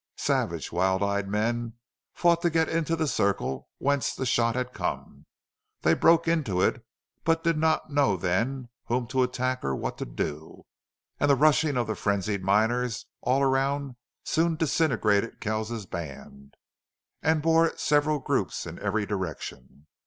Savage, wild eyed men fought to get into the circle whence that shot had come. They broke into it, but did not know then whom to attack or what to do. And the rushing of the frenzied miners all around soon disintegrated Kells's band and bore its several groups in every direction.